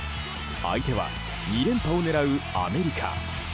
相手は２連覇を狙うアメリカ。